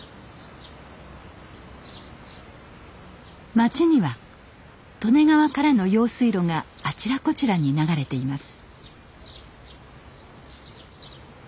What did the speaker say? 町には利根川からの用水路があちらこちらに流れています。